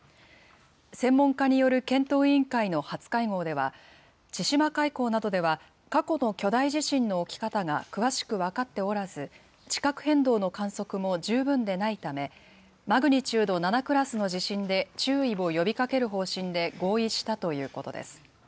専門家による検討委員会の初会合では、千島海溝などでは、過去の巨大地震の起き方が詳しく分かっておらず、地殻変動の観測も十分でないため、マグニチュード７クラスの地震で注意を呼びかける方針で合意したということです。